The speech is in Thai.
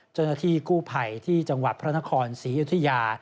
จนที่กู้ไผ่ที่จังหวัดพระนครศรีอยุธยา